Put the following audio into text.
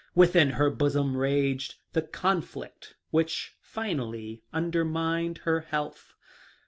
Within her bosom raged the conflict which finally undermined her health.